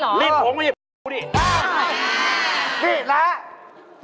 หลีดแล้ว